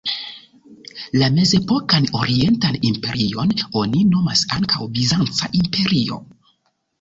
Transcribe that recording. La Mezepokan Orientan Imperion oni nomas ankaŭ Bizanca imperio.